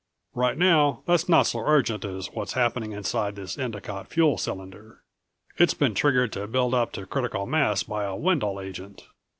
Right now that's not so urgent as what's happening inside this Endicott fuel cylinder. It's been triggered to build up to critical mass by a Wendel agent.